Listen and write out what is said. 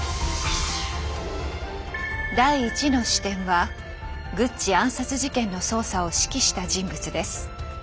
第１の視点はグッチ暗殺事件の捜査を指揮した人物です。